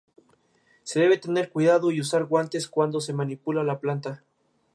Se debe tener cuidado y usar guantes cuando se manipula la planta.